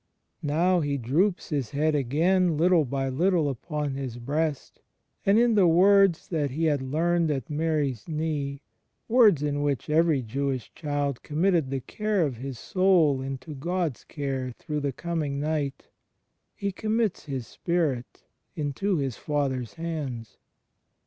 Now He droops His Head again little by little upon His Breast, and in the words that he had learned at Mary's knee — words in which every Jewish child committed the care of his soul into God's care through the coming night — He commits His spirit into His Father's hands.